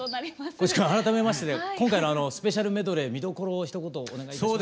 光一君改めまして今回のスペシャルメドレー見どころをひと言お願いいたします。